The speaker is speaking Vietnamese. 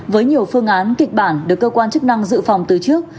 với nhiều phương án kịch bản được cơ quan chức năng dự phòng từ trước